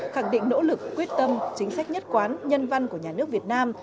khẳng định nỗ lực quyết tâm chính sách nhất quán nhân văn của nhà nước việt nam